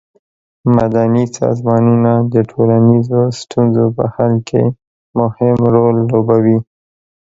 مدني سازمانونه د ټولنیزو ستونزو په حل کې مهم رول لوبوي.